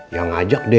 ya ngajak deh